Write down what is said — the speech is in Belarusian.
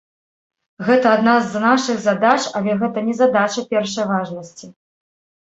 Гэта адна з нашых задач, але гэта не задача першай важнасці.